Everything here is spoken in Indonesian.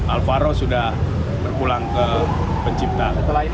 alvaro sudah berpulang ke pencipta